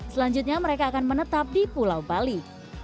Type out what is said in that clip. selanjutnya mereka akan menetap di pulau bali